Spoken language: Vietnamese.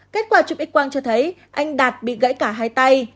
kết quả chụp x quang cho thấy anh đạt bị gãy cả hai tay